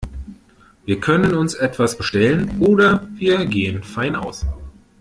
Wir können uns etwas bestellen oder wir gehen fein aus.